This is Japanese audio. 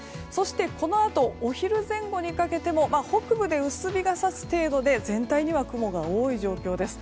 このあとお昼前後にかけても北部で薄日が差す程度で全体には雲が多い状況です。